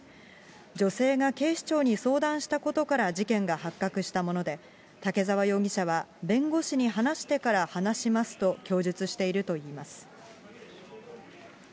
女性が警視庁に相談したことから事件が発覚したもので、竹沢容疑者は、弁護士に話してから話しますと供述しているといいます。